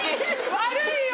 悪いよ。